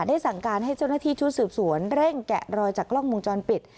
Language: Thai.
สั่งการให้เจ้าหน้าที่ชุดสืบสวนเร่งแกะรอยจากกล้องวงจรปิด